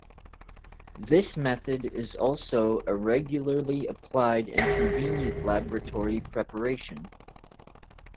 This method is also a regularly applied and convenient laboratory preparation.